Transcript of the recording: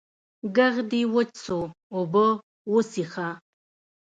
ږغ دي وچ سو، اوبه وڅيښه!